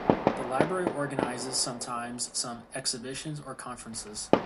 The library organizes sometimes some exhibitions or conferences.